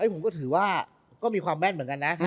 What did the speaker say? ผมก็ถือว่าก็มีความแม่นเหมือนกันนะ